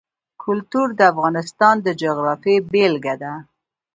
کلتور د افغانستان د جغرافیې بېلګه ده.